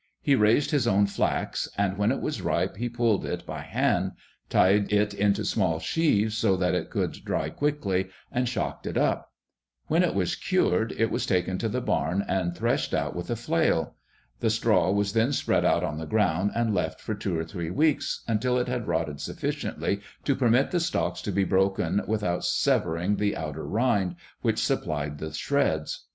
He raised his own flax, and when it was ripe he pulled it by hand, tied it into small sheaves so that it would dry quickly, and shocked it up. When it was cured, it was taken to the barn and threshed out with a flail. The straw was then spread out on the ground and left for two or three weeks, until it had rotted sufficiently to permit the stalks to be broken without severing the outer rind, which supplied the shreds.